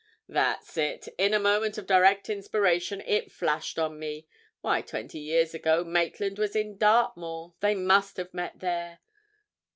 "That's it. In a moment of direct inspiration, it flashed on me—why, twenty years ago, Maitland was in Dartmoor—they must have met there!